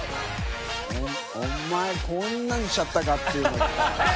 お前こんなんにしちゃったかっていうのか。